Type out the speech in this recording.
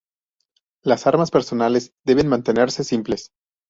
Las armas personales deben mantenerse simples.